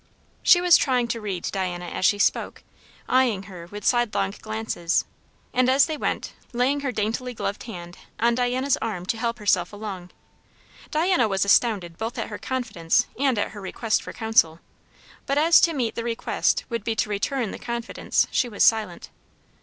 She was trying to read Diana as she spoke, eyeing her with sidelong glances, and as they went, laying her daintily gloved hand on Diana's arm to help herself along. Diana was astounded both at her confidence and at her request for counsel; but as to meet the request would be to return the confidence, she was silent.